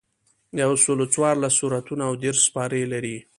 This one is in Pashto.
یوسلو څوارلس سورتونه او دېرش سپارې لري.